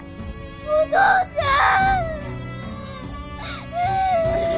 お父ちゃん。